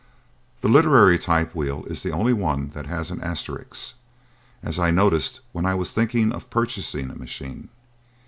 The literary typewheel is the only one that has an asterisk, as I noticed when I was thinking of purchasing a machine.